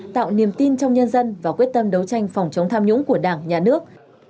tạo niềm tin trong nhân dân và quyết tâm đấu tranh phòng chống tham nhũng của đảng nhà nước